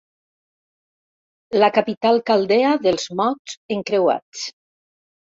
La capital caldea dels mots encreuats.